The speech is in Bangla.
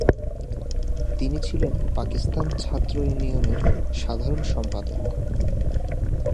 তিনি ছিলেন পাকিস্তান ছাত্র ইউনিয়নের সাধারণ সম্পাদক।